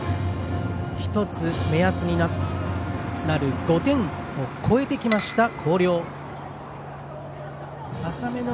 １つ目安になる５点を超えてきました広陵。